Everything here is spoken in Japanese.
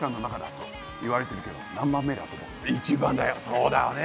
「そうだよね。